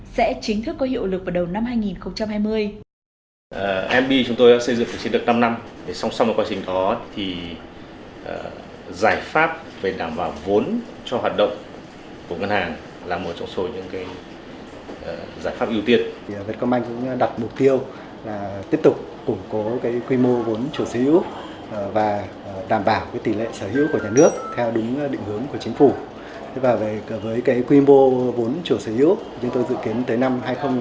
sẽ chính thức có hiệu lực vào đầu năm hai nghìn hai mươi